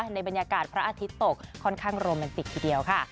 ในบรรยากาศพระอาทิตย์ตกค่อนข้างโรแมนติกทีเดียวค่ะ